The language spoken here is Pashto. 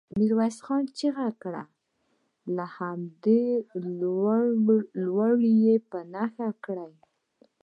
ميرويس خان چيغه کړه! له همدې لوړو يې په نښه کړئ.